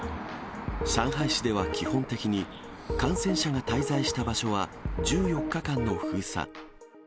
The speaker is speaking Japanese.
上海市では基本的に、感染者が滞在した場所は、１４日間の封鎖。